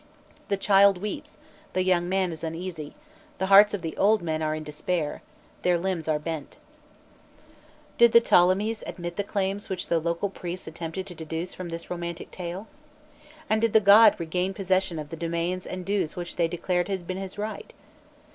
The child weeps, the young man is uneasy, the hearts of the old men are in despair, their limbs are bent." Ptolemies admit the claims which the local priests attempted to deduce from this romantic tale? and did the god regain possession of the domains and dues which they declared had been his right?